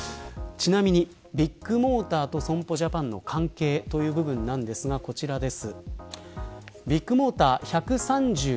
ちなみに、ビッグモーターと損保ジャパンの関係という部分ですがこちらです。